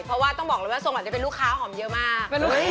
เพราะว่าต้องบอกเลยว่าทรงอาจจะเป็นลูกค้าหอมเยอะมาก